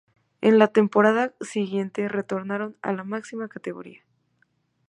En la temporada siguiente retornaron a la máxima categoría.